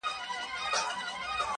په مسجد او په مندر کي را ايثار دی~